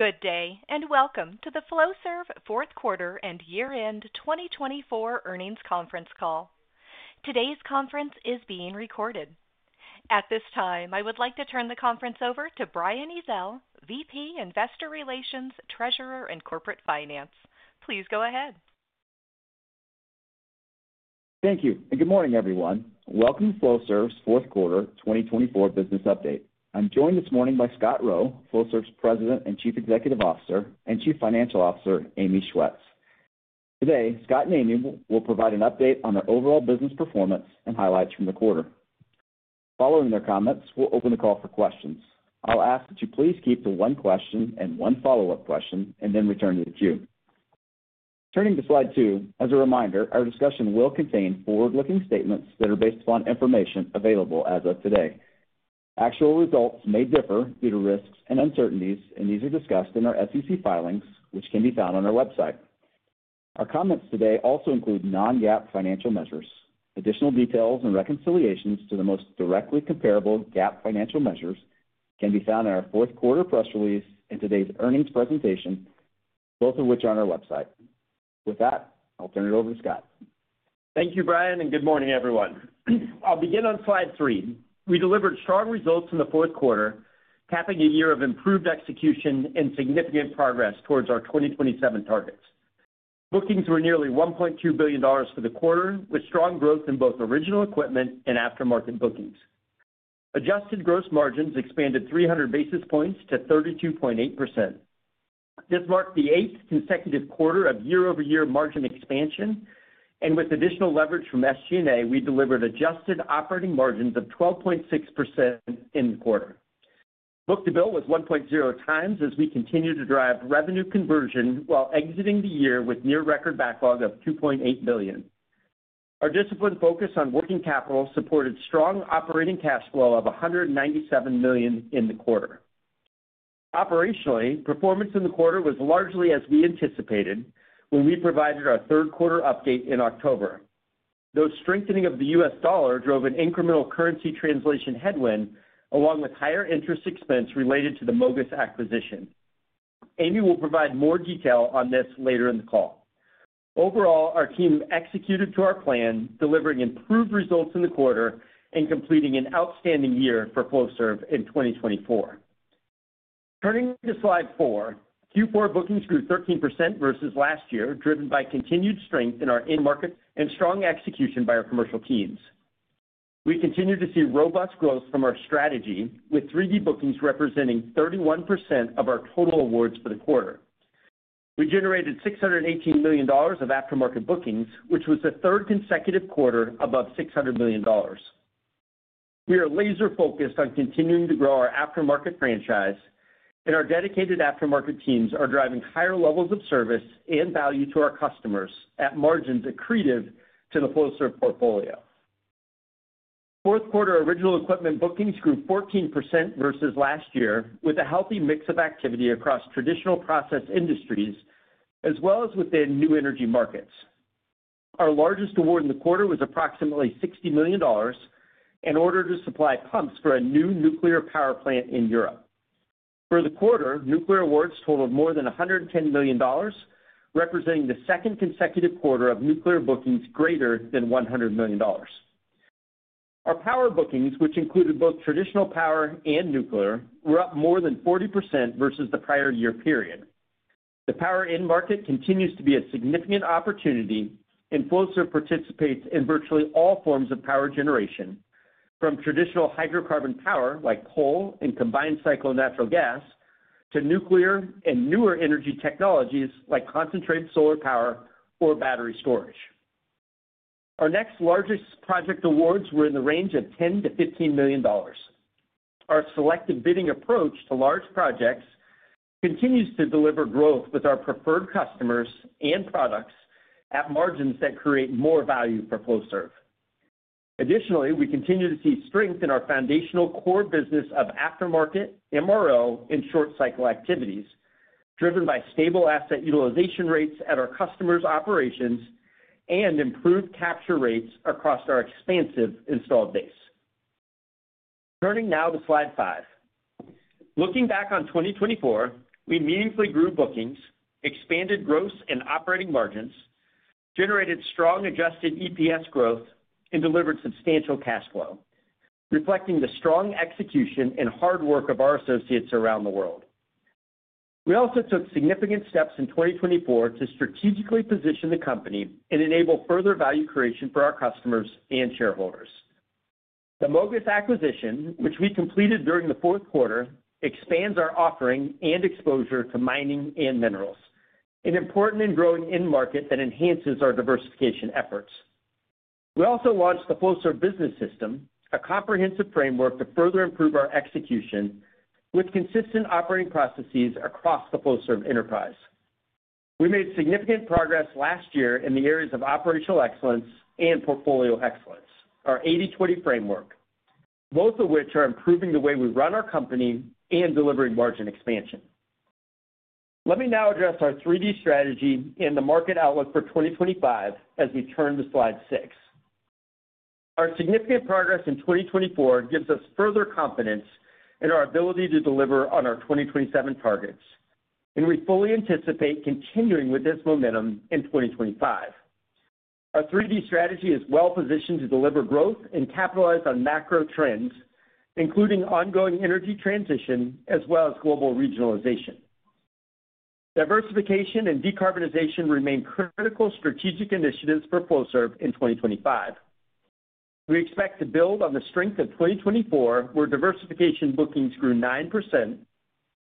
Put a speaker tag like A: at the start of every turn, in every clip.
A: Good day and welcome to the Flowserve Fourth Quarter and Year End 2024 Earnings Conference Call. Today's conference is being recorded. At this time I would like to turn the conference over to Brian Ezzell, VP, Investor Relations, Treasurer and Corporate Finance. Please go ahead.
B: Thank you and good morning everyone. Welcome to Flowserve's fourth quarter 2024 business update. I'm joined this morning by Scott Rowe, Flowserve's President and Chief Executive Officer and Chief Financial Officer Amy Schwetz. Today, Scott and Amy will provide an update on their overall business performance and highlights from the quarter. Following their comments, we'll open the call for questions. I'll ask that you please keep to one question and one follow up question and then return to the queue. Turning to slide two as a reminder, our discussion will contain forward-looking statements that are based upon information available as of today. Actual results may differ due to risks and uncertainties and these are discussed in our SEC filings which can be found on our website. Our comments today also include non-GAAP financial measures. Additional details and reconciliations to the most directly comparable GAAP financial measures can be found in our fourth quarter press release and today's earnings presentation, both of which are on our website. With that I'll turn it over to Scott.
C: Thank you, Brian, and good morning, everyone. I'll begin on slide three. We delivered strong results in the fourth quarter, capping a year of improved execution and significant progress towards our 2027 targets. Bookings were nearly $1.2 billion for the quarter with strong growth in both original equipment and aftermarket bookings. Adjusted gross margins expanded 300 basis points to 32.8%. This marked the eighth consecutive quarter of year-over-year margin expansion and with additional leverage from SG&A, we delivered adjusted operating margins of 12.6% in the quarter. Book-to-bill was 1.0x as we continue to drive revenue conversion while exiting the year with near record backlog of $2.8 billion. Our disciplined focus on working capital supported strong operating cash flow of $197 million in the quarter. Operationally, performance in the quarter was largely as we anticipated when we provided our third quarter update in October. The strengthening of the U.S. dollar drove an incremental currency translation headwind along with higher interest expense related to the MOGAS acquisition. Amy will provide more detail on this later in the call. Overall, our team executed to our plan, delivering improved results in the quarter and completing an outstanding year for Flowserve in 2024. Turning to slide four, Q4 bookings grew 13% versus last year, driven by continued strength in our end market and strong execution by our commercial teams. We continue to see robust growth from our strategy with 3D bookings representing 31% of our total awards for the quarter. We generated $618 million of aftermarket bookings, which was the third consecutive quarter above $600 million. We are laser focused on continuing to grow our aftermarket franchise and our dedicated aftermarket teams are driving higher levels of service and value to our customers at margins accretive to the Flowserve portfolio. Fourth quarter original equipment bookings grew 14% versus last year with a healthy mix of activity across traditional process industries as well as within new energy markets. Our largest award in the quarter was approximately $60 million in order to supply pumps for a new nuclear power plant in Europe. For the quarter, nuclear awards totaled more than $110 million representing the second consecutive quarter of nuclear bookings greater than $100 million. Our power bookings, which included both traditional power and nuclear, were up more than 40% versus the prior year period. The power end market continues to be a significant opportunity and Flowserve participates in virtually all forms of power generation from traditional hydrocarbon power like coal and combined cycle natural gas to nuclear and newer energy technologies like concentrated solar power or battery storage. Our next largest project awards were in the range of $10 million-$15 million. Our selective bidding approach to large projects continues to deliver growth with our preferred customers and products at margins that create more value for Flowserve. Additionally, we continue to see strength in our foundational core business of aftermarket MRO and short cycle activities driven by stable asset utilization rates at our customers' operations and improved capture rates across our expansive installed base. Turning now to slide five. Looking back on 2024, we meaningfully grew bookings, expanded gross and operating margins, generated strong adjusted EPS growth and delivered substantial cash flow, reflecting the strong execution and hard work of our associates around the world. We also took significant steps in 2024 to strategically position the company and enable further value creation for our customers and shareholders. The MOGAS acquisition, which we completed during the fourth quarter, expands our offering and exposure to mining and minerals, an important and growing end market that enhances our diversification efforts. We also launched the Flowserve Business System, a comprehensive framework to further improve our execution with consistent operating processes across the Flowserve enterprise. We made significant progress last year in the areas of operational excellence and portfolio excellence. Our 80/20 framework, both of which are improving the way we run our company and delivering margin expansion. Let me now address our 3D Strategy and the market outlook for 2025 as we turn to slide six. Our significant progress in 2024 gives us further confidence in our ability to deliver on our 2027 targets and we fully anticipate continuing with this momentum in 2025. Our 3D Strategy is well positioned to deliver growth and capitalize on macro trends including ongoing energy transition as well as global regionalization. Diversification and decarbonization remain critical strategic initiatives for Flowserve in 2025. We expect to build on the strength of 2024 where diversification bookings grew 9%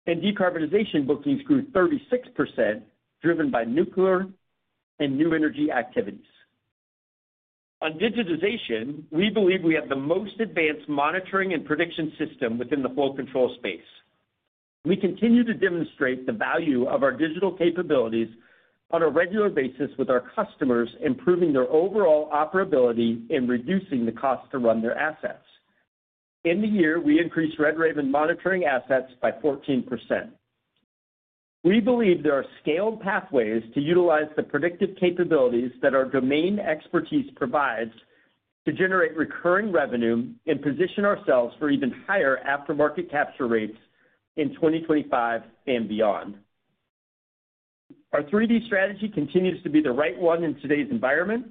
C: and decarbonization bookings grew 36% driven by nuclear and new energy activities. On digitization, we believe we have the most advanced monitoring and prediction system within the flow control space. We continue to demonstrate the value of our digital capabilities on a regular basis with our customers, improving their overall operability and reducing the cost to run their assets. In the year we increased Red Raven monitoring assets by 14%. We believe there are scaled pathways to utilize the predictive capabilities that our domain expertise provides to generate recurring revenue and position ourselves for even higher aftermarket capture rates in 2025 and beyond. Our 3D Strategy continues to be the right one in today's environment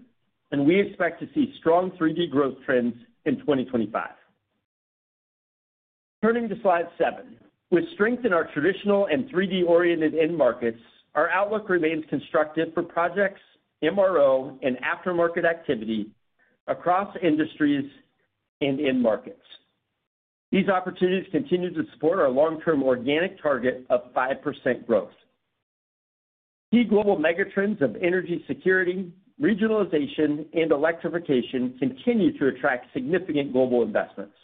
C: and we expect to see strong 3D growth trends in 2025. Turning to slide seven, with strength in our traditional and 3D-oriented end markets, our outlook remains constructive for projects, MRO, and aftermarket activity across industries and end markets. These opportunities continue to support our long-term organic target of 5% growth. Key global megatrends of energy security, regionalization, and electrification continue to attract significant global investments.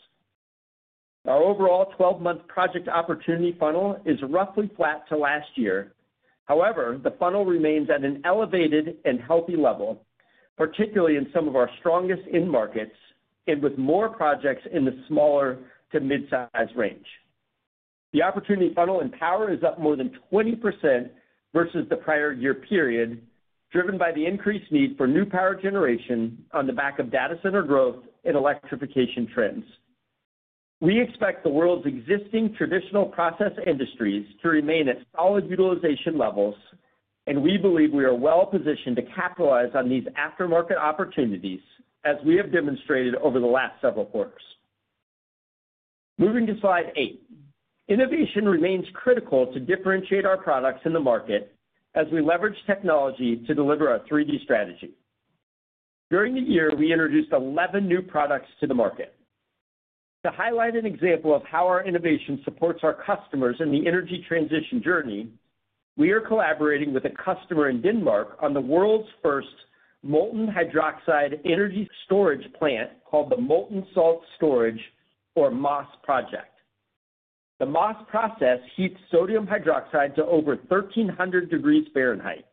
C: Our overall 12-month project opportunity funnel is roughly flat to last year. However, the funnel remains at an elevated and healthy level, particularly in some of our strongest end markets and with more projects in the smaller-to mid-sized range. The opportunity funnel in power is up more than 20% versus the prior year period driven by the increased need for new power generation on the back of data center growth and in electrification trends. We expect the world's existing traditional process industries to remain at solid utilization levels and we believe we are well positioned to capitalize on these aftermarket opportunities as we have demonstrated over the last several quarters. Moving to slide eight, innovation remains critical to differentiate our products in the market as we leverage technology to deliver our 3D Strategy. During the year we introduced 11 new products to the market. To highlight an example of how our innovation supports our customers in the energy transition journey, we are collaborating with a customer in Denmark on the world's first molten hydroxide energy storage plant called the Molten Salt Storage or MOSS project. The MOSS process heats sodium hydroxide to over 1300 degrees Fahrenheit.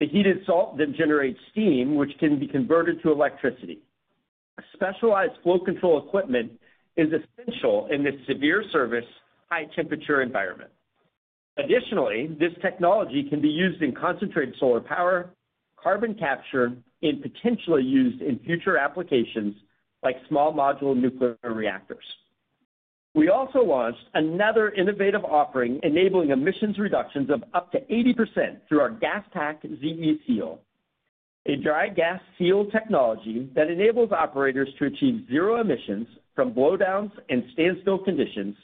C: The heated salt then generates steam which can be converted to electricity. Specialized flow control equipment is essential in this severe service high temperature environment. Additionally, this technology can be used in concentrated solar power, carbon capture, and potentially used in future applications like small modular nuclear reactors. We also launched another innovative offering enabling emissions reductions of up to 80% through our Gaspac ZE Seal, a dry gas seal technology that enables operators to achieve zero emissions from blowdowns and standstill conditions.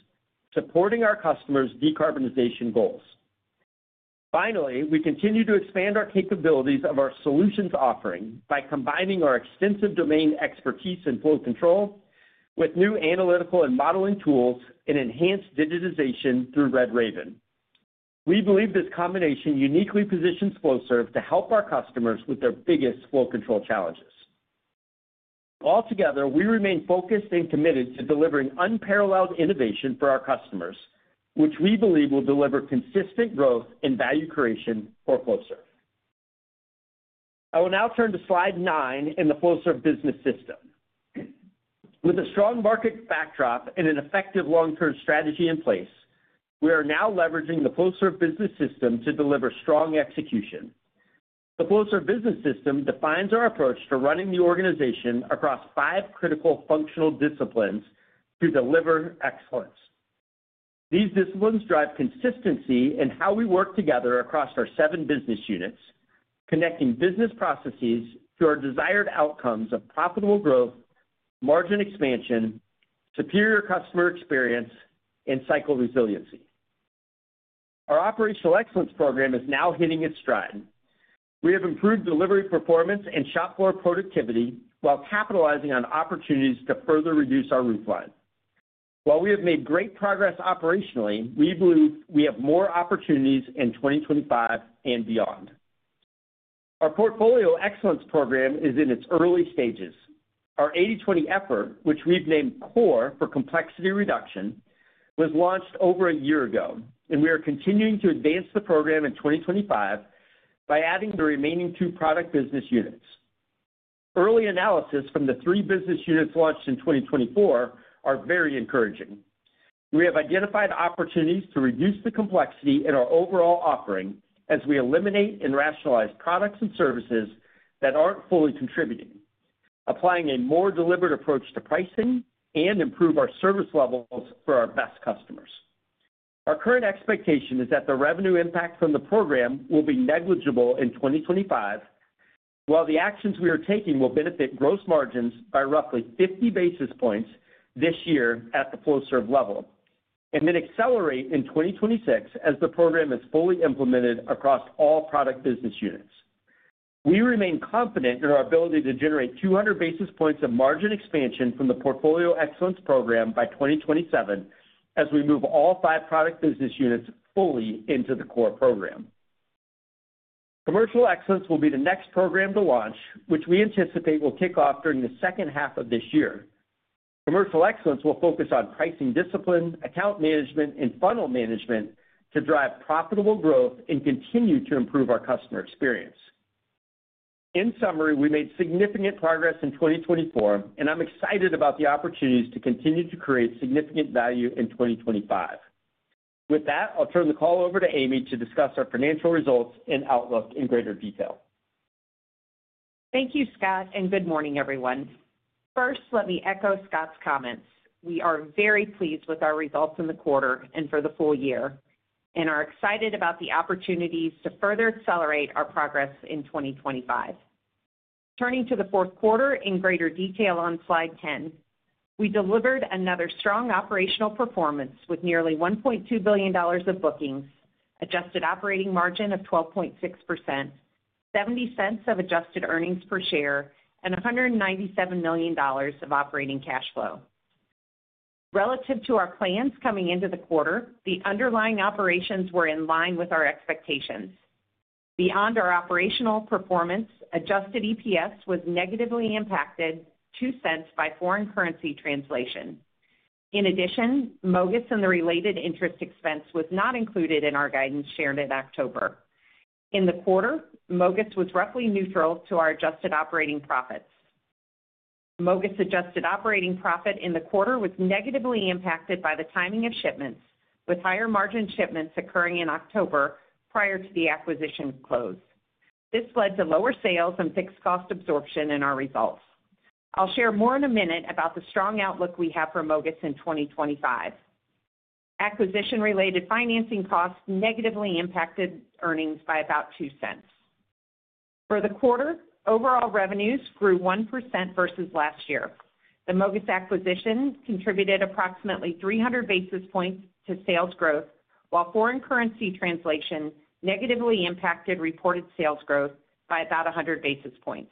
C: Supporting our customers' decarbonization goals. Finally, we continue to expand our capabilities of our solutions offering by combining our extensive domain expertise in flow control with new analytical and modeling tools and enhanced digitization through Red Raven. We believe this combination uniquely positions Flowserve to help our customers with their biggest flow control challenges. Altogether, we remain focused and committed to delivering unparalleled innovation for our customers, which we believe will deliver consistent growth and value creation. For Flowserve, I will now turn to slide nine in the Flowserve Business System. With a strong market backdrop and an effective long term strategy in place, we are now leveraging the Flowserve Business System to deliver strong execution. The Flowserve Business System defines our approach to running the organization across five critical functional disciplines to deliver excellence. These disciplines drive consistency in how we work together across our seven business units, connecting business processes to our desired outcomes of profitable growth, margin expansion, superior customer experience and cycle resiliency. Our Operational Excellence Program is now hitting its stride. We have improved delivery performance and shop floor productivity while capitalizing on opportunities to further reduce our footprint. While we have made great progress operationally, we believe we have more opportunities in 2025 and beyond. Our Portfolio Excellence Program is in its early stages. Our 80/20 effort, which we've named CORE for Complexity Reduction, was launched over a year ago and we are continuing to advance the program in 2025 by adding the remaining two product business units. Early analysis from the three business units launched in 2024 are very encouraging. We have identified opportunities to reduce the complexity in our overall offering as we eliminate and rationalize products and services and that aren't fully contributing, applying a more deliberate approach to pricing and improve our service levels for our best customers. Our current expectation is that the revenue impact from the program will be negligible in 2025, while the actions we are taking will benefit gross margins by roughly 50 basis points this year at the Flowserve level and then accelerate in 2026 as the program is fully implemented across all product business units. We remain confident in our ability to generate 200 basis points of margin expansion from the Portfolio Excellence Program by 2027 as we move all five product business units fully into the CORE program. Commercial Excellence will be the next program to launch, which we anticipate will kick off during the second half of this year. Commercial Excellence will focus on pricing discipline, account management and funnel management to drive profitable growth and continue to improve our customer experience. In summary, we made significant progress in 2024 and I'm excited about the opportunities to continue to create significant value in 2025. With that, I'll turn the call over to Amy to discuss our financial results and outlook in greater detail.
D: Thank you Scott and good morning everyone. First, let me echo Scott's comments. We are very pleased with our results in the quarter and for the full year and are excited about the opportunities to further accelerate our progress in 2025. Turning to the fourth quarter in greater detail on slide 10, we delivered another strong operational performance with nearly $1.2 billion of bookings, adjusted operating margin of 12.6%, $0.70 of adjusted earnings per share and $197 million of operating cash flow. Relative to our plans coming into the quarter, the underlying operations were in line with our expectations. Beyond our operational performance, Adjusted EPS was negatively impacted $0.02 by foreign currency translation. In addition, MOGAS and the related interest expense was not included in our guidance shared in October. In the quarter, MOGAS was roughly neutral to our adjusted operating profits. MOGAS adjusted operating profit in the quarter was negatively impacted by the timing of shipments, with higher margin shipments occurring in October prior to the acquisition close. This led to lower sales and fixed cost absorption in our results. I'll share more in a minute about the strong outlook we have for MOGAS in 2025. Acquisition related financing costs negatively impacted earnings by about $0.02. For the quarter, overall revenues grew 1% versus last year. The MOGAS acquisition contributed approximately 300 basis points to sales growth, while foreign currency translation negatively impacted reported sales growth by about 100 basis points.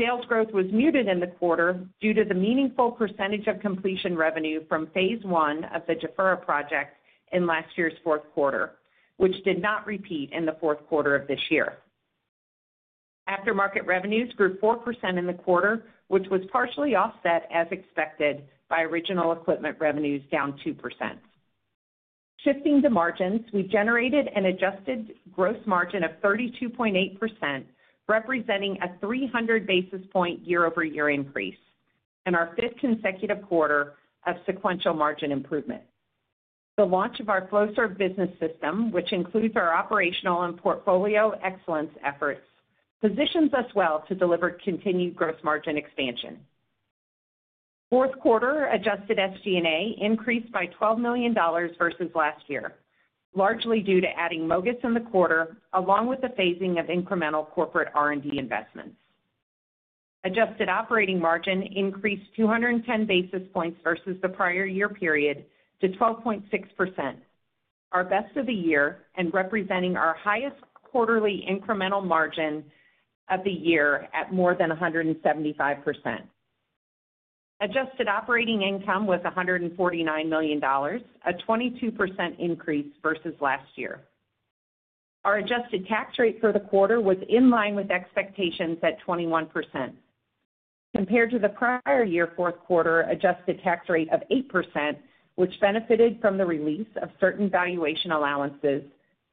D: Sales growth was muted in the quarter due to the meaningful percentage of completion revenue from phase I of the Jafurah Project in last year's fourth quarter, which did not repeat in the fourth quarter of this year. Aftermarket revenues grew 4% in the quarter, which was partially offset as expected by original equipment revenues down 2%. Shifting to margins, we generated an adjusted gross margin of 32.8%, representing a 300 basis points year-over-year increase and our fifth consecutive quarter of sequential margin improvement. The launch of our Flowserve Business System, which includes our operational and portfolio excellence efforts, positions us well to deliver continued gross margin expansion. Fourth quarter adjusted SG&A increased by $12 million versus last year largely due to adding MOGAS in the quarter along with the phasing of incremental corporate R&D investments. Adjusted operating margin increased 210 basis points versus the prior year period to 12.6%, our best of the year and representing our highest quarterly incremental margin of the year at more than 175%. Adjusted operating income was $149 million, a 22% increase versus last year. Our adjusted tax rate for the quarter was in line with expectations at 21%. Compared to the prior year fourth quarter adjusted tax rate of 8%, which benefited from the release of certain valuation allowances,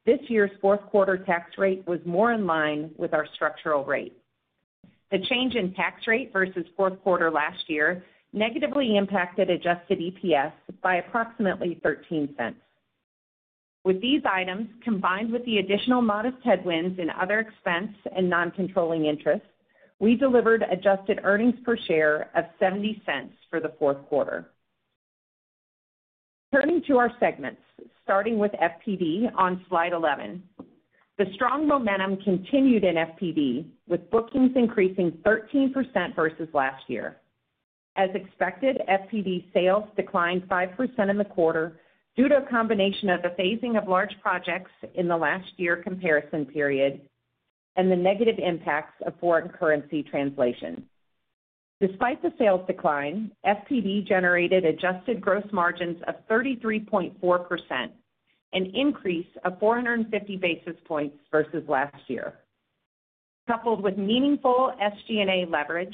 D: this year's fourth quarter tax rate was more in line with our structural rate. The change in tax rate versus fourth quarter last year negatively impacted adjusted EPS by approximately $0.13. With these items combined with the additional modest headwinds in other expense and non-controlling interest, we delivered adjusted earnings per share of $0.70 for the fourth quarter. Turning to our segments starting with FPD on slide 11, the strong momentum continued in FPD with bookings increasing 13% versus last year. As expected, FPD sales declined 5% in the quarter due to a combination of the phasing of large projects in the last year comparison period and the negative impacts of foreign currency translation. Despite the sales decline, FPD generated adjusted gross margins of 33.4%, an increase of 450 basis points versus last year. Coupled with meaningful SG&A leverage,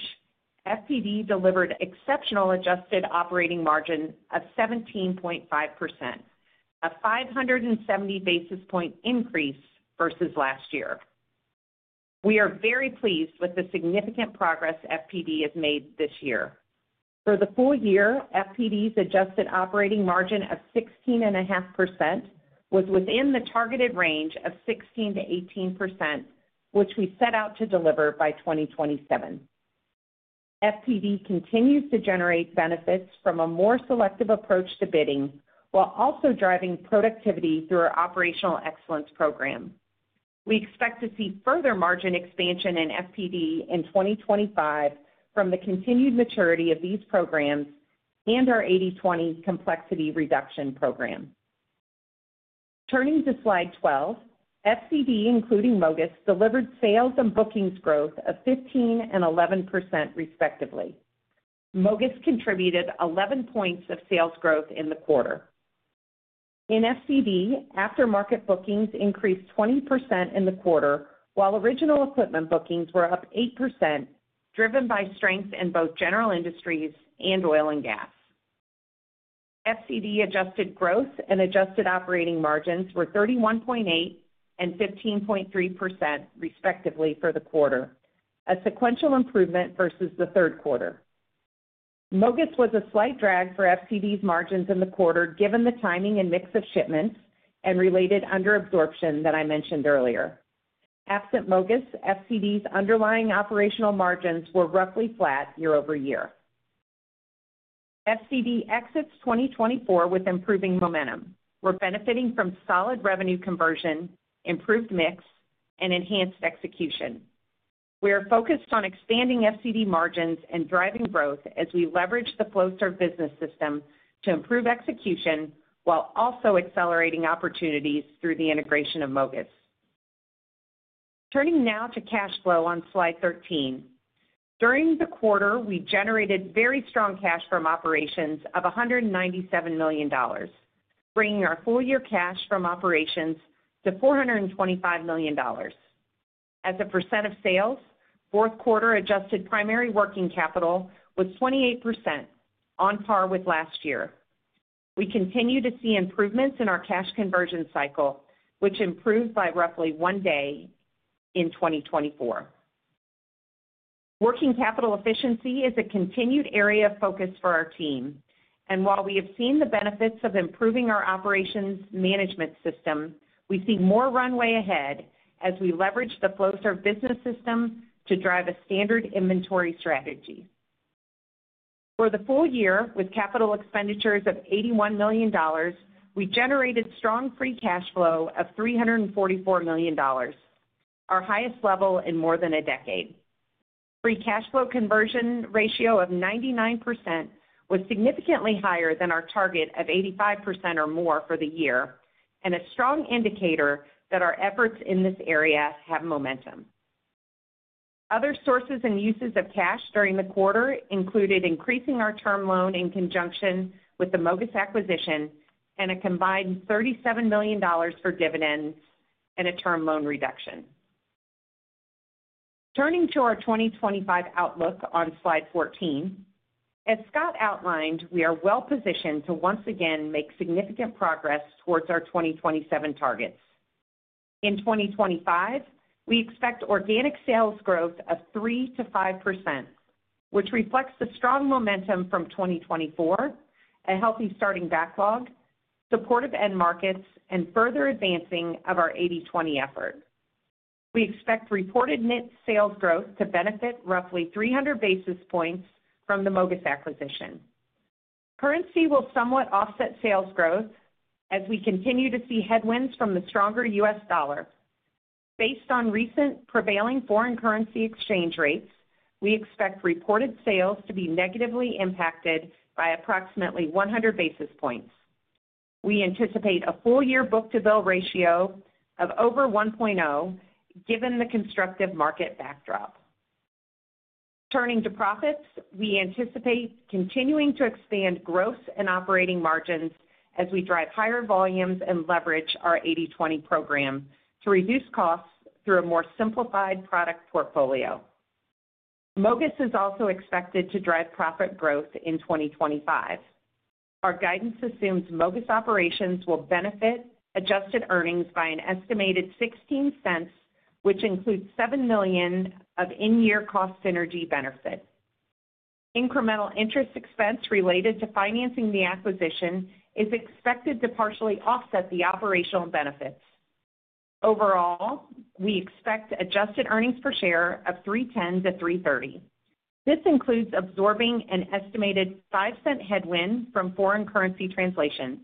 D: FPD delivered exceptional adjusted operating margin of 17.5%, a 570 basis point increase versus last year. We are very pleased with the significant progress FPD has made this year. For the full year, FPD's adjusted operating margin of 16.5% was within the targeted range of 16%-18% which we set out to deliver by 2027. FPD continues to generate benefits from a more selective approach to bidding while also driving productivity through our Operational Excellence program. We expect to see further margin expansion in FPD in 2025 from the continued maturity of these programs and our 80/20 Complexity Reduction program. Turning to slide 12, FCD including MOGAS delivered sales and bookings growth of 15% and 11% respectively. MOGAS contributed 11 points of sales growth in the quarter. In FCD, aftermarket bookings increased 20% in the quarter while original equipment bookings were up 8% driven by strength in both general industries and oil and gas. FCD adjusted gross and adjusted operating margins were 31.8% and 15.3% respectively for the quarter, a sequential improvement versus the third quarter. MOGAS was a slight drag for FCD's margins in the quarter given the timing and mix of shipments and related under absorption that I mentioned earlier. Absent MOGAS, FCD's underlying operational margins were roughly flat year-over-year. FCD exits 2024 with improving momentum. We're benefiting from solid revenue conversion, improved mix and enhanced execution. We are focused on expanding FCD margins and driving growth as we leverage the Flowserve Business System to improve execution while also accelerating opportunities through the integration of MOGAS. Turning now to cash flow on slide 13, during the quarter we generated very strong cash from operations of $197 million, bringing our full year cash from operations to $425 million as a percent of sales. Fourth quarter adjusted primary working capital was 28% on par with last year. We continue to see improvements in our cash conversion cycle which improved by roughly one day in 2024. Working capital efficiency is a continued area of focus for our team and while we have seen the benefits of improving our operations management system, we see more runway ahead as we leverage the Flowserve business system to drive a standard inventory strategy for the full year. With capital expenditures of $81 million, we generated strong free cash flow of $344 million, our highest level in more than a decade. Free cash flow conversion ratio of 99% was significantly higher than our target of 85% or more for the year and a strong indicator that our efforts in this area have momentum. Other sources and uses of cash during the quarter included increasing our term loan in conjunction with the MOGAS acquisition and a combined $37 million for dividends and a term loan reduction. Turning to our 2025 outlook on slide 14, as Scott outlined, we are well positioned to once again make significant progress towards our 2027 targets. In 2025 we expect organic sales growth of 3%-5%, which reflects the strong momentum from 2024, a healthy starting backlog, supportive end markets and further advancing of our 80/20 effort. We expect reported net sales growth to benefit roughly 300 basis points from the MOGAS acquisition. Currency will somewhat offset sales growth as we continue to see headwinds from the stronger U.S. dollar. Based on recent prevailing foreign currency exchange rates, we expect reported sales to be negatively impacted by approximately 100 basis points. We anticipate a full year book-to-bill ratio of over 1.0 given the constructive market backdrop. Turning to profits, we anticipate continuing to expand gross and operating margins as we drive higher volumes and leverage our 80/20 program to reduce costs through a more simplified product portfolio. MOGAS is also expected to drive profit growth in 2025. Our guidance assumes MOGAS operations will benefit adjusted earnings by an estimated $0.16, which includes $7 million of in-year cost synergy benefit. Incremental interest expense related to financing the acquisition is expected to partially offset the operational benefits. Overall, we expect adjusted earnings per share of $3.10-$3.30. This includes absorbing an estimated $0.05 headwind from foreign currency translation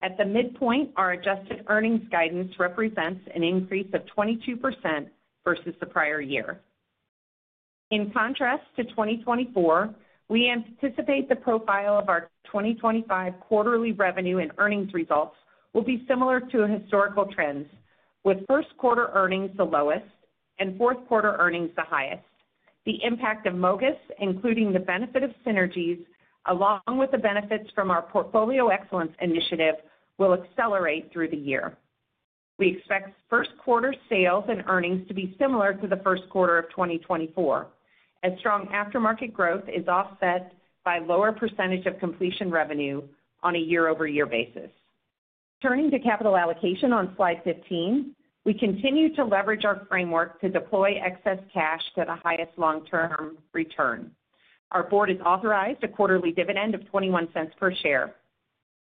D: at the midpoint. Our adjusted earnings guidance represents an increase of 22% for versus the prior year. In contrast to 2024, we anticipate the profile of our 2025 quarterly revenue and earnings results will be similar to historical trends with first quarter earnings the lowest and fourth quarter earnings the highest. The impact of MOGAS, including the benefit of synergies along with the benefits from our Portfolio Excellence initiative will accelerate through the year. We expect first quarter sales and earnings to be similar to the first quarter of 2024 as strong aftermarket growth is offset by lower percentage of completion revenue on a year over year basis. Turning to capital allocation on slide 15, we continue to leverage our framework to deploy excess cash to the highest long-term return. Our Board is authorized a quarterly dividend of $0.21 per share.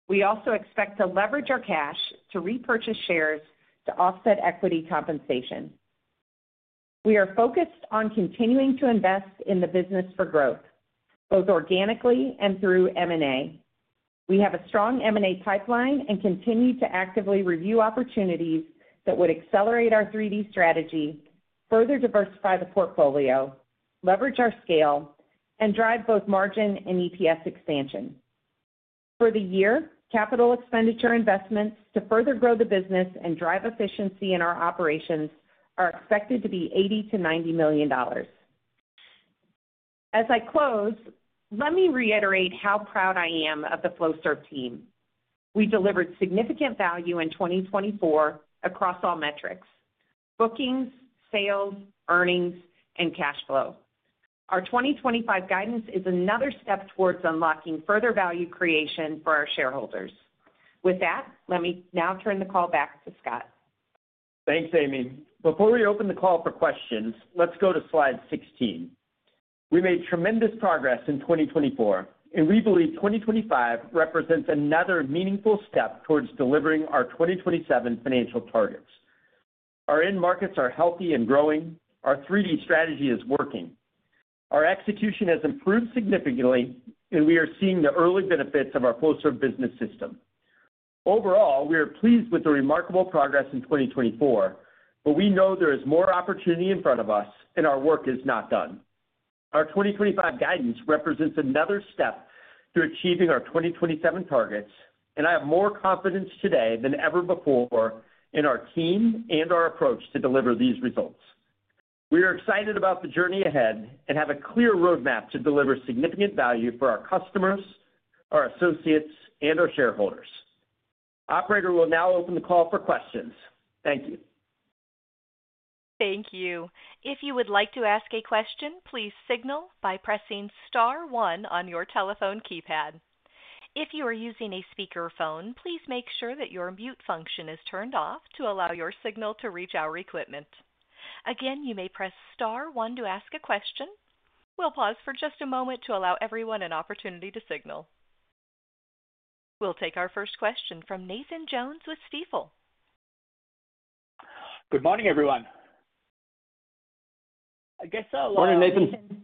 D: We also expect to leverage our cash to repurchase shares to offset equity compensation. We are focused on continuing to invest in the business for growth both organically and through M&A. We have a strong M&A pipeline and continue to actively review opportunities that would accelerate our 3D Strategy, further diversify the portfolio, leverage our scale and drive both margin and EPS expansion. For the year, capital expenditure investments to further grow the business and drive efficiency in our operations are expected to be $80 million-$90 million. As I close, let me reiterate how proud I am of the Flowserve team. We delivered significant value in 2024 across all metrics, bookings, sales, earnings and cash flow. Our 2025 guidance is another step towards unlocking further value creation for our shareholders. With that, let me now turn the call back to Scott.
C: Thanks Amy. Before we open the call for questions, let's go to slide 16. We made tremendous progress in 2024 and we believe 2025 represents another meaningful step towards delivering our 2027 financial targets. Our end markets are healthy and growing. Our 3D Strategy is working. Our execution has improved significantly and we are seeing the early benefits of our Flowserve Business System. Overall, we are pleased with the remarkable progress in 2024, but we know there is more opportunity in front of us and our work is not done. Our 2025 guidance represents another step to achieving our 2027 targets, and I have more confidence today than ever before in our team and our approach to deliver these results. We are excited about the journey ahead and have a clear roadmap to deliver significant value for our customers, our associates and our shareholders. Operator will now open the call for questions. Thank you.
A: Thank you. If you would like to ask a question, please signal by pressing star one on your telephone keypad. If you are using a speakerphone, please make sure that your mute function is turned off to allow your signal to reach our equipment. Again, you may press star one to ask a question. We'll pause for just a moment to allow everyone an opportunity to signal. We'll take our first question from Nathan Jones with Stifel.
E: Good morning, everyone. I guess so.
B: Morning, Nathan.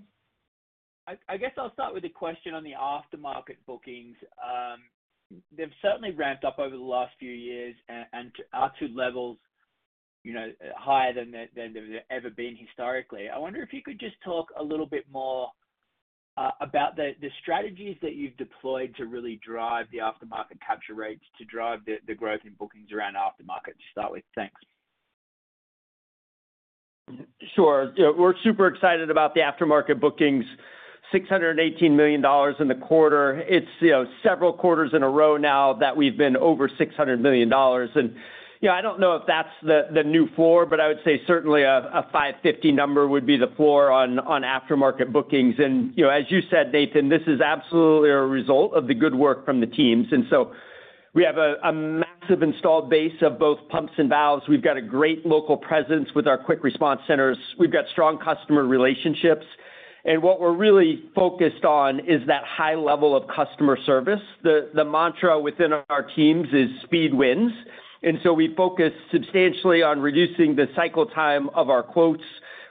E: I guess I'll start with a question on the aftermarket bookings. They've certainly ramped up over the last few years and up to levels higher than they've ever been historically. I wonder if you could just talk a little bit more about the strategies that you've deployed to really drive the aftermarket capture rates, to drive the growth in bookings around aftermarket to start with. Thanks.
C: Sure. We're super excited about the aftermarket bookings. $618 million in the quarter. It's several quarters in a row now that we've been over $600 million. And I don't know if that's the new floor, but I would say certainly a $550 million number would be the floor on aftermarket bookings. And as you said, Nathan, this is absolutely a result of the good work from the teams. And so we have a massive installed base of both pumps and valves. We've got a great local presence with our quick response centers. We have strong customer relationships and what we're really focused on is that high level of customer service. The mantra within our teams is speed wins. And so we focus substantially on reducing the cycle time of our quotes,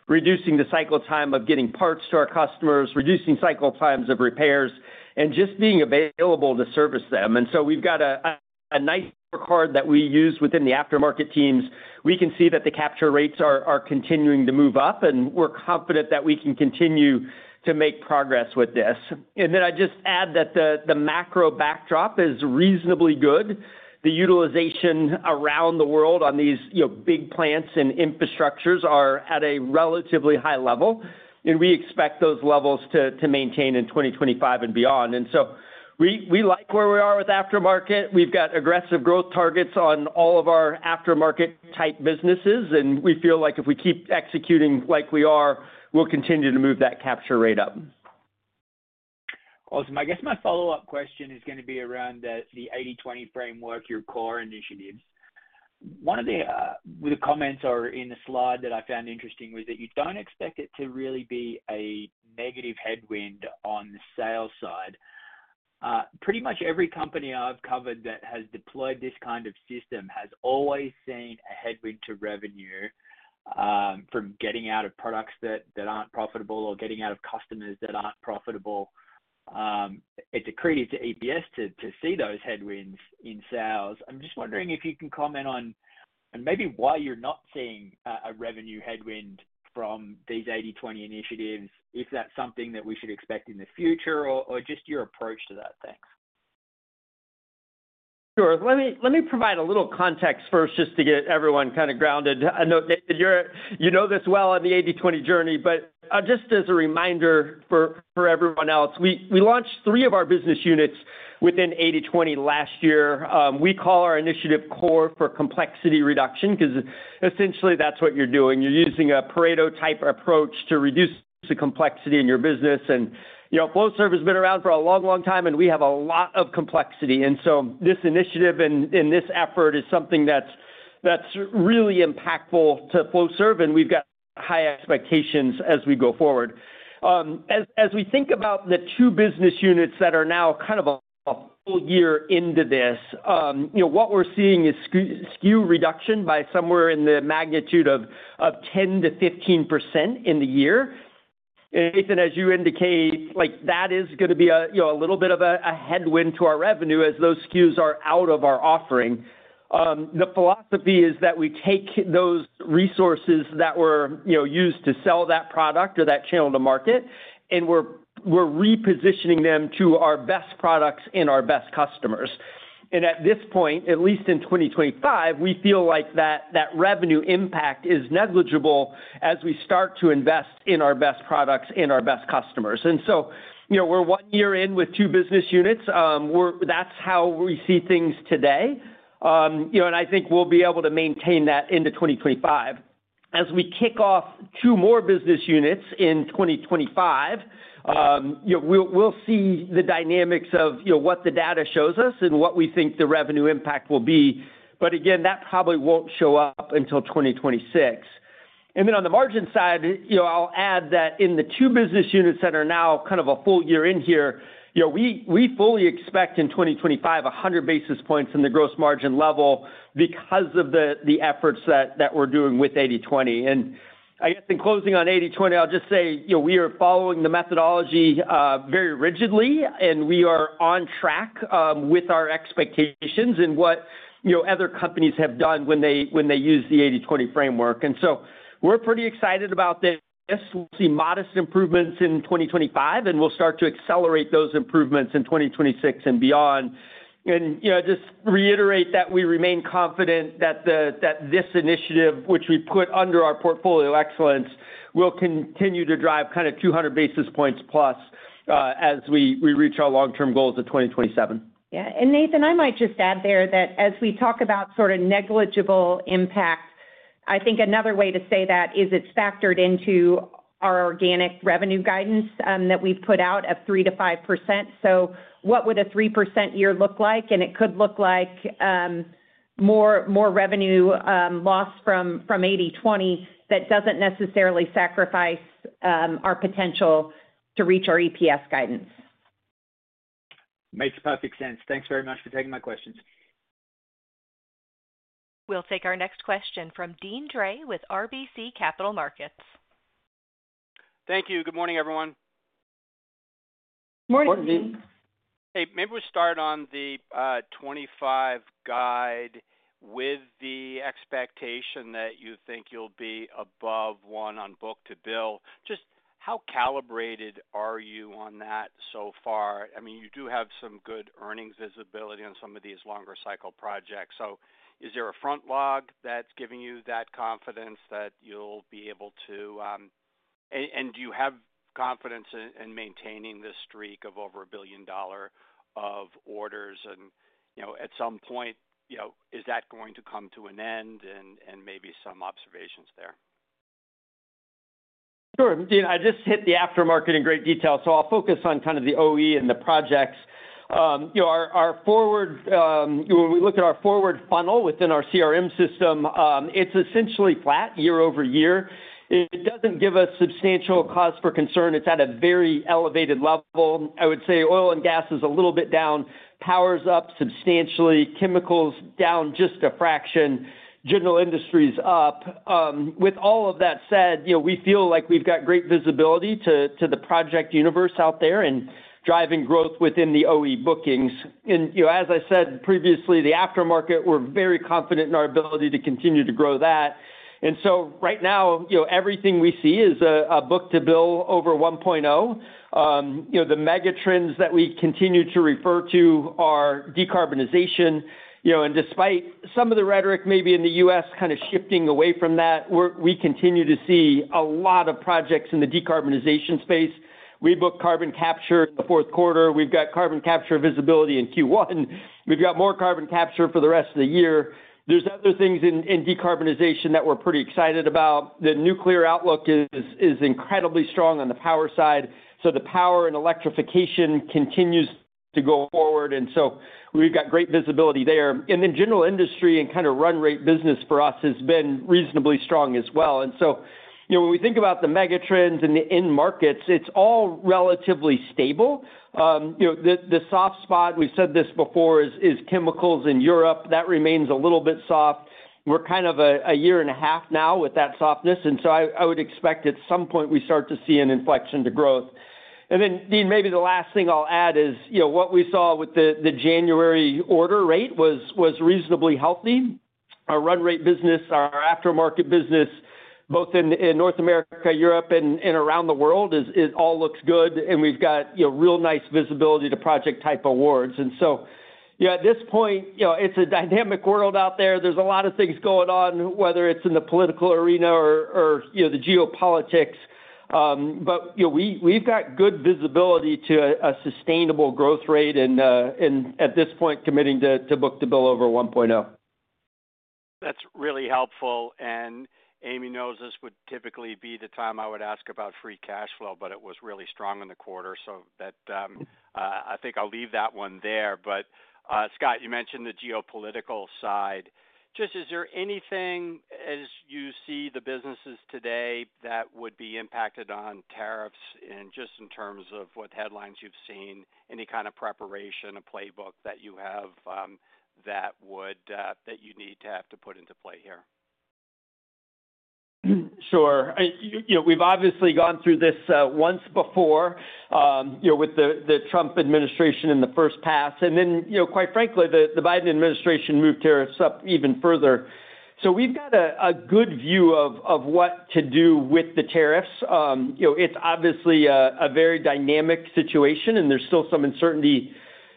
C: reducing the cycle time of getting parts to our customers, reducing cycle times of repairs and just being available to service them. We have a nice card that we use within the aftermarket teams. We can see that the capture rates are continuing to move up and we are confident that we can continue to make progress with this. I just add that the macro backdrop is reasonably good. The utilization around the world on these big plants and infrastructures are at a relatively high level and we expect those levels to maintain in 2025 and beyond. We like where we are with aftermarket. We have aggressive growth targets on all of our aftermarket type businesses and we feel like if we keep executing like we are, we will continue to move that capture rate up.
E: Awesome. I guess my follow-up question is going to be around the 80/20 framework, your CORE initiatives. One of the comments are in the slide that I found interesting was that you don't expect it to really be a negative headwind on the sales side. Pretty much every company I've covered that has deployed this kind of system has always seen a headwind to revenue from getting out of products that aren't profitable or getting out of customers that aren't profitable. It's a credit to EPS to see those headwinds in sales. I'm just wondering if you can comment on maybe why you're not seeing a revenue headwind from these 80/20 initiatives, if that's something that we should expect in the future or just your approach to that. Thanks.
C: Sure. Let me provide a little context first just to get everyone kind of grounded. You know this well on the 80/20. But just as a reminder for everyone else, we launched three of our business units within 80/20 last year. We call our initiative CORE for Complexity Reduction because essentially that's what you're doing. You're using a Pareto type approach to reduce the complexity in your business. Flowserve has been around for a long, long time and we have a lot of complexity. This initiative, in this effort is something that's, that's really impactful to Flowserve and we've got high expectations as we go forward. As we think about the two business units that are now kind of a full year into this, what we're seeing is SKU reduction by somewhere in the magnitude of 10%-15% in the year. Nathan, as you indicate, that is going to be a little bit of a headwind to our revenue as those SKUs are out of our offerings. The philosophy is that we take those resources that were used to sell that product or that channel to market and we're repositioning them to our best products and our best customers. At this point, at least in 2025, we feel like that revenue impact is negligible as we start to invest in our best products, in our best customers. We're one year in with two business units. That's how we see things today. I think we'll be able to maintain that into 2025 as we kick off two more business units in 2025. We'll see the dynamics of what the data shows us and what we think the revenue impact will be. But again, that probably won't show up until 2026. And then on the margin side, I'll add that in the two business units that are now kind of a full year in here, we fully expect in 2025 100 basis points in the gross margin level because of the efforts that we're doing with 80/20. And I guess in closing on 80/20, I'll just say we are following the methodology very rigidly and we are on track with our expectations and what other companies have done when they use the 80/20 framework. And so we're pretty excited about this. Yes, we'll see modest improvements in 2025 and we'll start to accelerate those improvements in 2026 and beyond. You know, just reiterate that we remain confident that this initiative, which we put under our portfolio excellence, will continue to drive kind of 200 basis points plus as we reach our long term goals of 2027.
D: Yeah, and Nathan, I might just add there that as we talk about sort of negligible impact, I think another way to say that is it's factored into our organic revenue guidance that we put out of 3%-5%. So what would a 3% year look like? And it could look like more revenue loss from 80/20. That doesn't necessarily sacrifice our potential to reach our EPS guidance.
E: Makes perfect sense. Thanks very much for taking my questions.
A: Next we'll take our next question from Deane Dray with RBC Capital Markets.
F: Thank you. Good morning everyone.
D: Morning.
F: Hey, maybe we start on the 2025 guide with the expectation that you think you'll be above one on book-to-bill. Just how calibrated are you on that so far? I mean you do have some good earnings, earnings visibility on some of these longer cycle projects. Is there a front log that's giving you that confidence that you'll be able to. And do you have confidence in maintaining this streak of over a billion dollars of orders and at some point is that going to come to an end and maybe some observations there?
C: Sure, Dean. I just hit the aftermarket in great detail. So I'll focus on kind of the OE and the projects. You know, our forward, when we look at our forward funnel within our CRM system, it's essentially flat year-over-year, it doesn't give us substantial cause for concern. It's at a very elevated level. I would say oil and gas is a little bit down, power's up substantially, chemicals down just a fraction, general industries up. With all of that said, you know, we feel like we've got great visibility to the project universe out there and driving growth within the OE bookings. And as I said previously, the aftermarket, we're very confident in our ability to continue to grow that. And so right now, everything we see is a book-to-bill over 1.0. The megatrends that we continue to refer to are decarbonization. Despite some of the rhetoric, maybe in the U.S. kind of shifting away from that, we continue to see a lot of projects in the decarbonization space. We booked carbon capture in the fourth quarter. We have carbon capture visibility in Q1, we have more carbon capture for the rest of the year. There are other things in decarbonization that we are pretty excited about. The nuclear outlook is incredibly strong on the power side. The power and electrification continues to go forward. We have great visibility there. General industry and kind of run rate business for us has been reasonably strong as well. When we think about the megatrends and the end markets, it is all relatively stable. The soft spot, we have said this before, is chemicals in Europe that remains a little bit soft. We're kind of a year and a half now with that softness. I would expect at some point we start to see an inflection to growth. Deane, maybe the last thing I'll add is what we saw with the January order rate was reasonably high, healthy. Our run rate business, our aftermarket business, both in North America, Europe and around the world, it all looks good. We've got real nice visibility to project type awards. At this point, it's a dynamic world out there. There's a lot of things going on, whether it's in the political arena or the geopolitics, but we've got good visibility to a sustainable growth rate. At this point, committing to book-to-bill over 1.0.
F: That's really helpful. Amy knows this would typically be the time I would ask about free cash flow, but it was really strong in the quarter, so I think I'll leave that one there. Scott, you mentioned the geopolitical side. Just is there anything, as you see the businesses today, that would be impacted on tariffs? In terms of what headlines you've seen, any kind of preparation, a playbook that you have that you need to have to put into play here.
C: Sure. You know, we've obviously gone through this once before, you know, with the Trump administration in the first pass. And then, you know, quite frankly, the Biden administration moved tariffs up even further. So we've got a good view of what to do with the tariffs. You know, it's obviously a very dynamic situation and there's still some uncertainty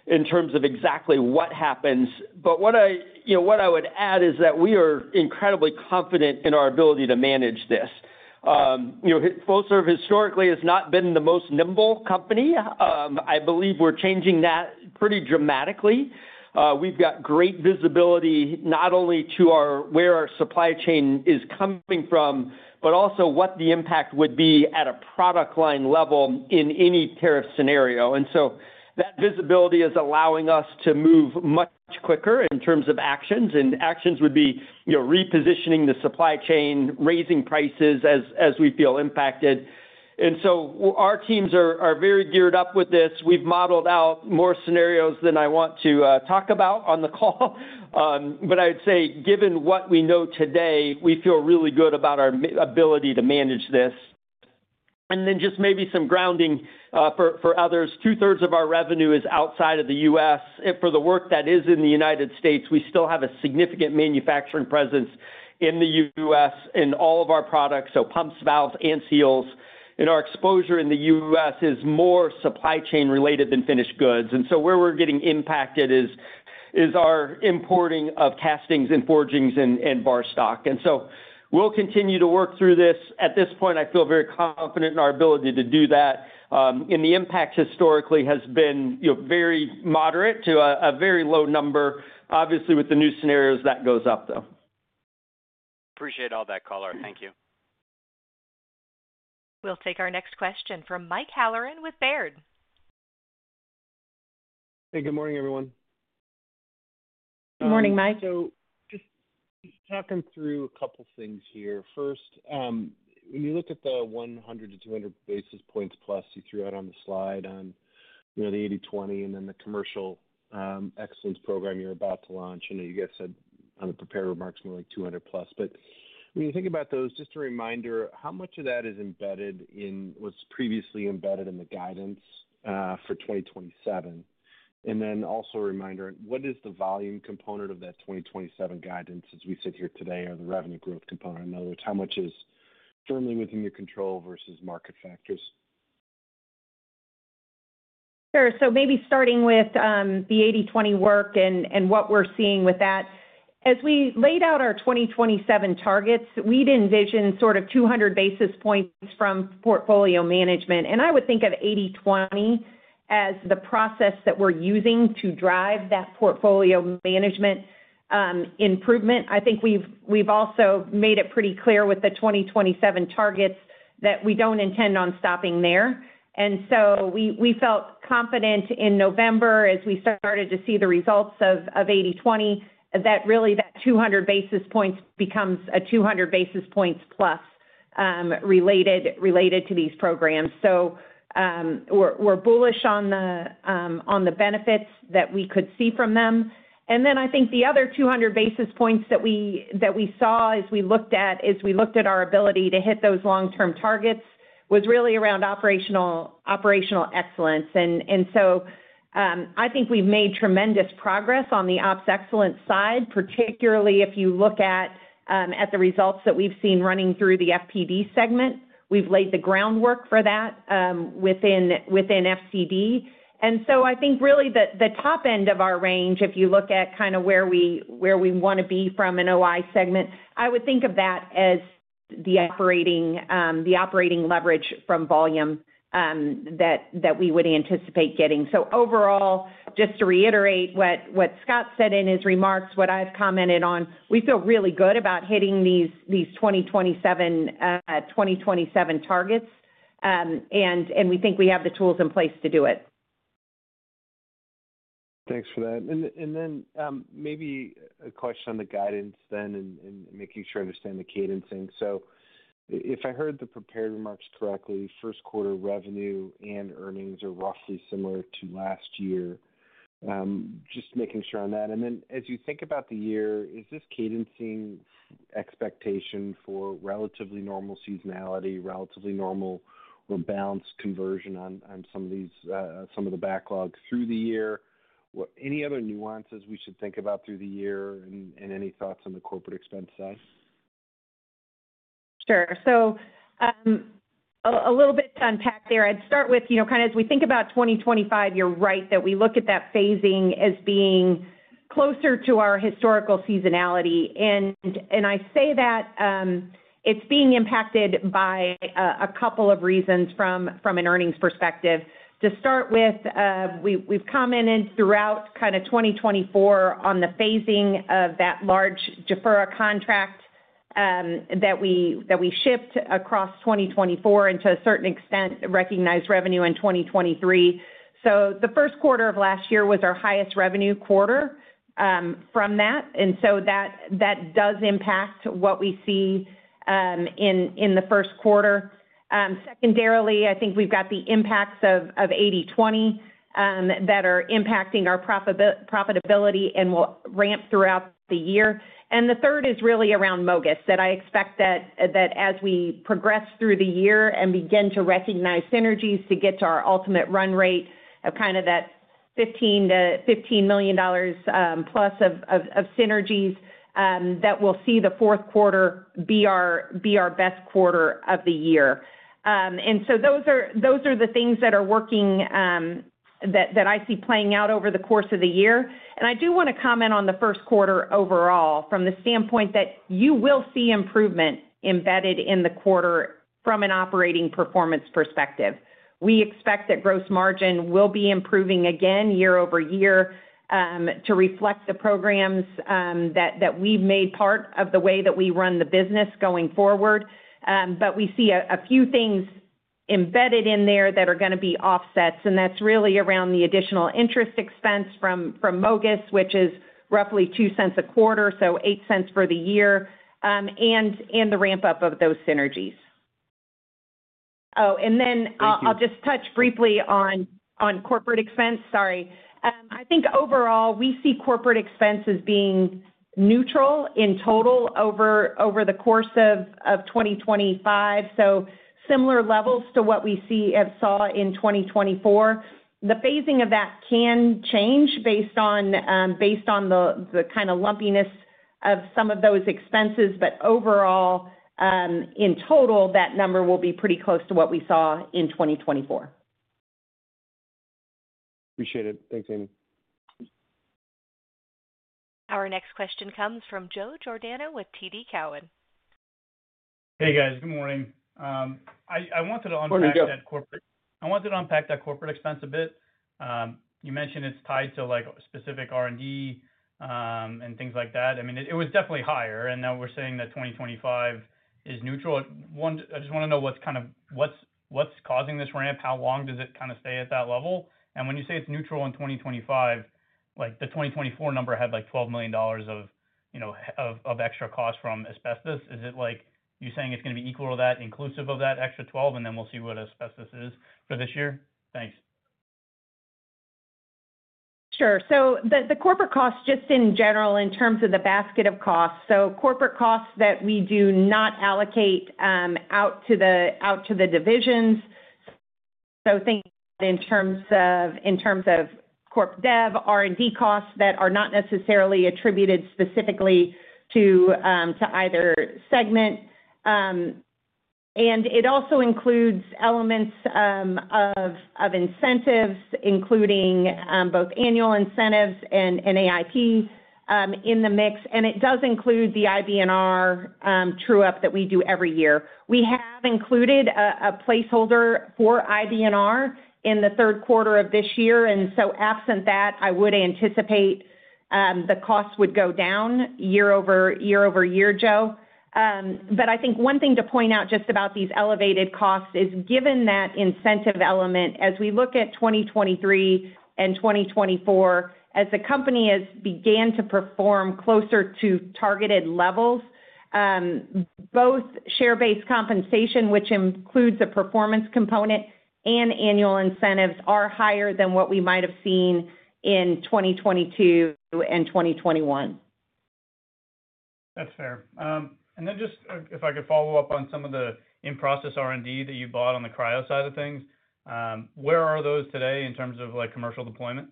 C: in terms of exactly what happens. What I would add is that we are incredibly confident in our ability to manage this. Flowserve historically has not been the most nimble company. I believe we're changing that pretty dramatically. We've got great visibility not only to where our supply chain is coming from, but also what the impact would be at a product line level in any tariff scenario. That visibility is allowing us to move much quicker in terms of actions. Actions would be repositioning the supply chain, raising prices as we feel impacted. Our teams are very geared up with this. We've modeled out more scenarios than I want to talk about on the call. I would say given what we know today, we feel really good about our ability to manage this and then. Just maybe some grounding for others. 2/3 of our revenue is outside of the U.S. For the work that is in the United States, we still have a significant manufacturing presence in the U.S. in all of our products. So pumps, valves and seals, and our exposure in the U.S. is more supply chain related than finished goods. Where we are getting impacted is our importing of castings and forgings and bar stock. We will continue to work through this. At this point, I feel very confident in our ability to do that. The impact historically has been very moderate to a very low number. Obviously, with the new scenarios, that goes up though.
F: Appreciate all that color. Thank you.
A: We'll take our next question from Mike Halloran with Baird.
G: Hey, good morning, everyone.
D: Good morning, Mike.
G: Just talking through a couple things here. First, when you look at the 100-200 basis points plus you threw out on the slide on, you know, the 80/20 and then the Commercial Excellence program you're about to launch, I know you guys said on the prepared remarks more like 200 plus, but when you think about those, just a reminder, how much of that is embedded in, was previously embedded in the guidance for 2027? And then also a reminder, what is the volume component of that 2027 guidance as we sit here today or the revenue growth component. In other words, how much is firmly within your control versus market factors?
D: Sure. Maybe starting with the 80/20 work and what we're seeing with that, as we laid out our 2027 targets, we'd envision sort of 200 basis points from portfolio management. I would think of 80/20 as the process that we're using to drive that portfolio management improvement. I think we've also made it pretty clear with the 2027 targets that we don't intend on stopping there. We felt confident in November as we started to see the results of 80/20 that really that 200 basis points becomes a 200+ basis points related to these programs. We're bullish on the benefits that we could see from them. I think the other 200 basis points that we saw as we looked at our ability to hit those long term targets was really around operational excellence. I think we've made tremendous progress on the OPS excellence side. Particularly if you look at the results that we've seen running through the FPD segment, we've laid the groundwork for that within FCD. I think really the top end of our range, if you look at kind of where we want to be from an OI segment, I would think of that as the operating leverage from volume that we would anticipate getting. Just to reiterate what Scott said in his remarks, what I've commented on, we feel really good about how hitting these 2027, 2027 targets and we think we have the tools in place to do it.
G: Thanks for that. Maybe a question on the guidance then and making sure I understand the cadencing. If I heard the prepared remarks correctly, first quarter revenue and earnings are roughly similar to last year. Just making sure on that. As you think about the year, is this cadence seeing expectation for relatively normal seasonality, relatively normal or balanced conversion on some of the backlog through the year? Any other nuances we should think about through the year? Any thoughts on the corporate expense side?
D: Sure. A little bit to unpack there. I'd start with kind of as we think about 2025, you're right that we look at that phasing as being closer to our historical seasonality. I say that it's being impacted by a couple of reasons from an earnings perspective. To start with, we've commented throughout 2024 on the phasing of that large Jafurah contract that we shipped across 2024 and to a certain extent recognized revenue in 2020. The first quarter of last year was our highest revenue quarter from that. That does impact what we see in the first quarter. Secondarily, I think we've got the impacts of 80/20 that are impacting our profitability and will ramp throughout the year. The third is really around MOGAS, that I expect that as we progress through the year and begin to recognize synergies, to get to our ultimate run rate of kind of that $15+ million of synergies, that we'll see the fourth quarter be our best quarter of the year. Those are the things that are working that I see playing out over the course of the year. I do want to comment on the first quarter overall from the standpoint that you will see improvement embedded in the quarter from an operating performance perspective. We expect that gross margin will be improving again year-over- year to reflect the programs that we've made part of the way that we run the business going forward. We see a few things embedded in there that are going to be offsets. That's really around the additional interest expense from MOGAS, which is roughly $0.02 a quarter, so $0.08 for the year and the ramp up of those synergies. Oh, and then I'll just touch briefly on corporate expense. Sorry. I think overall we see corporate expense as being neutral in total over the course of 2025. So similar levels to what we saw in 2024. The phasing of that can change based on the kind of lumpiness of some of those expenses. But overall, in total, that number will be pretty close to what we saw in 2024.
G: Appreciate it. Thanks, Amy.
A: Our next question comes from Joe Giordano with TD Cowen.
H: Hey, guys. Good morning. I wanted to unpack that corporate expense a bit you mentioned. It's tied to like specific R&D and things like that. I mean, it was definitely higher and now we're saying that 2025 is neutral one. I just want to know what's kind of, what's, what's causing this ramp? How long does it kind of stay at that level? When you say it's neutral in 2025, like the 2024 number had like $12 million of, you know, of extra cost from asbestos. Is it like you saying it's going to be equal to that inclusive of that extra 12? We will see what asbestos is for this year.?Thanks.
D: Sure. The corporate cost just in general in terms of the basket of costs. Corporate costs that we do not allocate out to the divisions. Think in terms of corp dev R&D costs that are not necessarily attributed specifically to either segment. It also includes elements of incentives, including both annual incentives and AIP in the mix. It does include the IBNR true up that we do every year. We have included a placeholder for IBNR in the third quarter of this year. Absent that, I would anticipate the cost would go down year-over-year. Joe, I think one thing to point out just about these elevated costs is given that incentive element as we look at 2023 and 2024 as the company has begun to perform closer to targeted levels, both share based compensation, which includes a performance component, and annual incentives are higher than what we might have seen in 2022 and 2021.
H: That's fair. If I could follow up on some of the in-process R&D that you bought, on the cryo side of things, where are those today in terms of like commercial deployment?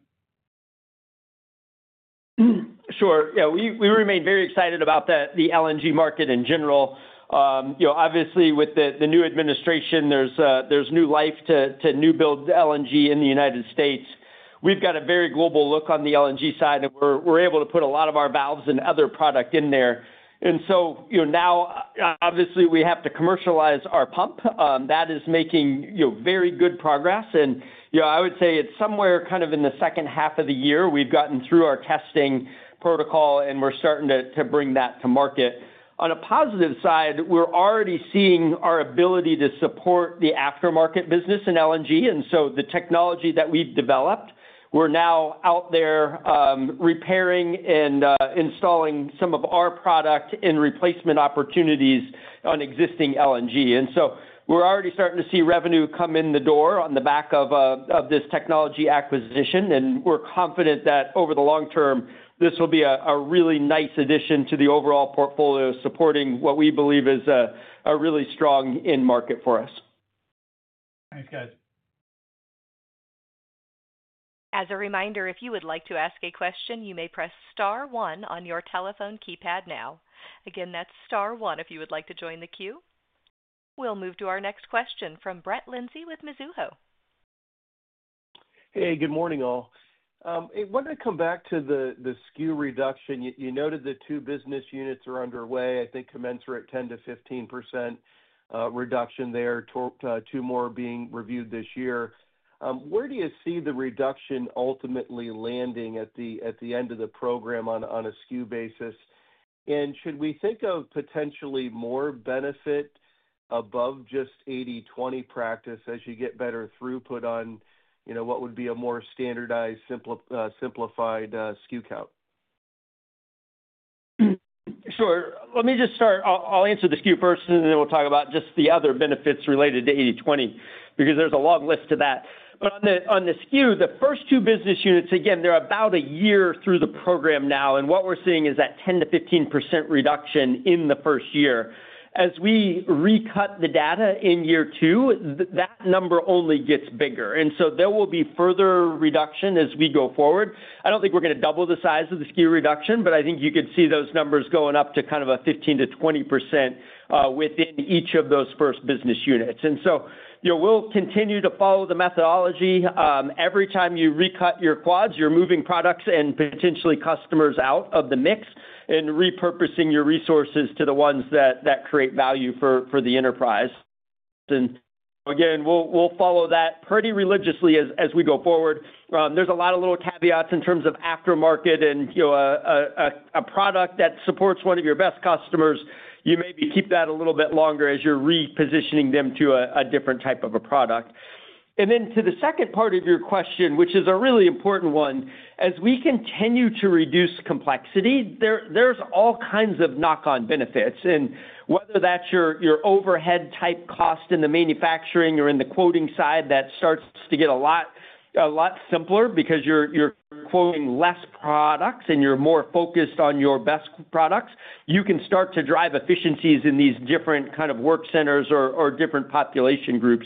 C: Sure, yeah. We remain very excited about the LNG market in general. You know, obviously with the new administration, there's new life to new-build LNG in the United States. We've got a very global look on the LNG side and we're able to put a lot of our valves and other product in there. Now obviously we have to commercialize our pump that is making very good progress. I would say it's somewhere kind of in the second half of the year. We've gotten through our testing protocol and we're starting to bring that to market. On a positive side, we're already seeing our ability to support the aftermarket business in LNG. The technology that we've developed, we're now out there repairing and installing some of our product in replacement opportunities on existing LNG. We are already starting to see revenue come in the door on the back of this technology acquisition. We are confident that over the long term this will be a really nice addition to the overall portfolio supporting what we believe is a really strong end market for us.
H: Thanks guys.
A: As a reminder, if you would like to ask a question, you may press star one on your telephone keypad. Now again, that's star one. If you would like to join the queue, we'll move to our next question from Brett Linzey with Mizuho.
I: Hey, good morning all. Want to come back to the SKU reduction? You noted the two business units are underway. I think commensurate 10%-15% reduction there, two more being reviewed this year. Where do you see the reduction ultimately landing at the end of the program on a SKU basis? And should we think of potentially more benefit above just 80/20 practice as you get better throughput on, you know, what would be a more standardized, simplified SKU count?
C: Sure. Let me just start. I'll answer the SKU first and then we'll talk about just the other benefits related to 80/20 because there's a long list to that. On the SKU, the first two business units, again, they're about a year through the program now. What we're seeing is that 10%-15% reduction in the first year. As we recut the data in year two, that number only gets bigger. There will be further reduction as we go forward. I don't think we're going to double the size of the SKU reduction, but I think you could see those numbers going up to kind of a 15%-20% within each of those first business units. We'll continue to follow the methodology. Every time you recut your quads, you're moving products and potentially customers out of the mix and repurposing your resources to the ones that create value for the enterprise. Again, we'll follow that pretty religiously as we go forward. There are a lot of little caveats in terms of aftermarket and a product that supports one of your best customers, you maybe keep that a little bit longer as you're repositioning them to a different type of a product. To the second part of your question, which is a really important one. As we continue to reduce complexity, there are all kinds of knock-on on benefits. Whether that's your overhead type cost in the manufacturing or in the quoting side, that starts to get a lot simpler because you're quoting fewer products and you're more focused on your best products. You can start to drive efficiencies in these different kind of work centers or different population groups.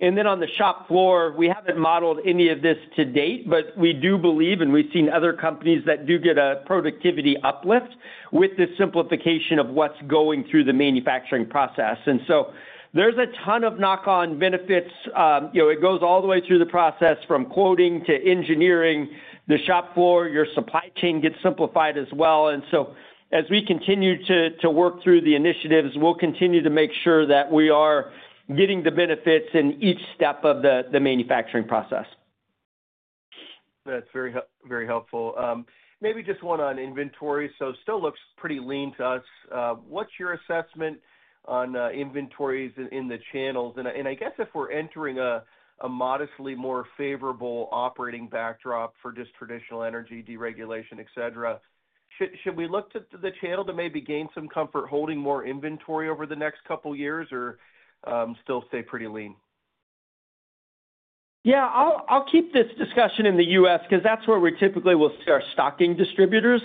C: Then on the shop floor. We haven't modeled any of this to date, but we do believe, and we think seeing other companies that do get a productivity uplift with the simplification of what's going through the manufacturing process. There is a ton of knock on benefits. You know, it goes all the way through the process from quoting to engineering the shop floor. Your supply chain gets simplified as well. As we continue to work through the initiatives, we'll continue to make sure that we are getting the benefits in each step of the manufacturing process.
I: That's very helpful. Maybe just one on inventory. It still looks pretty lean to us. What's your assessment on inventories in the channels? I guess if we're entering a modestly more favorable operating backdrop for just traditional energy deregulation, et cetera, should we look to the channel to maybe gain some comfort holding more inventory over the next couple years or still stay pretty lean?
C: Yeah, I'll keep this discussion in the U.S. because that's where we typically will start stocking distributors.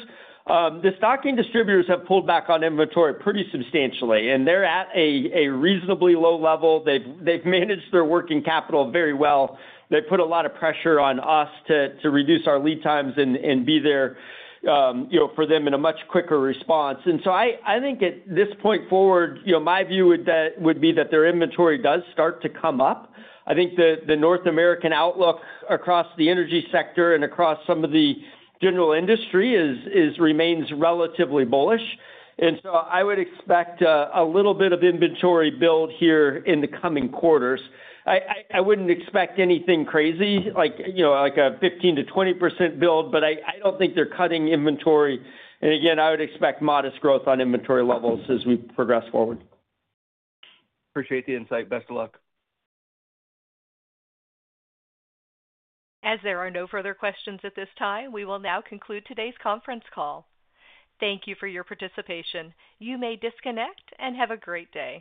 C: The stocking distributors have pulled back on inventory pretty substantially and they're at a reasonably low level. They've managed their working capital very well. They put a lot of pressure on us to reduce our lead times and be there for them in a much quicker response. I think at this point forward, my view would be that their inventory does start to come up. I think the North American outlook across the energy sector and across some of the general industry remains relatively bullish. I would expect a little bit of inventory build here in the coming quarters. I wouldn't expect anything crazy like a 15%-20% build, but I don't think they're cutting inventory. I would expect modest growth on inventory levels as we progress forward.
I: Appreciate the insight. Best of luck.
A: As there are no further questions at this time, we will now conclude today's conference call. Thank you for your participation. You may disconnect and have a great day.